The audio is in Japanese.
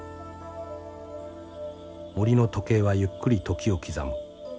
森の時計はゆっくり時を刻む。